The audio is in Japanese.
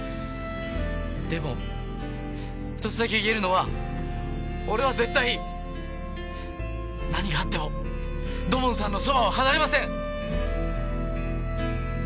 でも１つだけ言えるのは俺は絶対何があっても土門さんのそばを離れません！